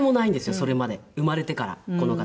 それまで生まれてからこの方。